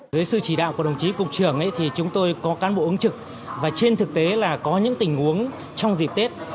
dưới sự chỉ đạo của đồng chí cục trưởng thì chúng tôi có cán bộ ứng trực và trên thực tế là có những tình huống trong dịp tết